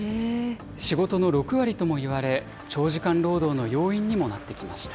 仕事の６割ともいわれ、長時間労働の要因にもなってきました。